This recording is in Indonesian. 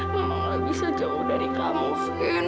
mama gak bisa jauh dari kamu fino